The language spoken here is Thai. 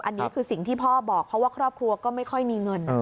อันนี้คือสิ่งที่พ่อบอกเพราะว่าครอบครัวก็ไม่ค่อยมีเงิน